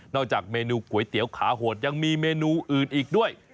จากเมนูก๋วยเตี๋ยวขาโหดยังมีเมนูอื่นอีกด้วย